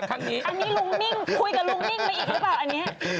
อันนี้ลุงมิ่งคุยกับลุงมิ่งมั้ยอีกหรือเปล่าอันนี้